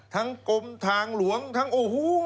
ทั้งกลมทางหลวงทั้งโอ้โห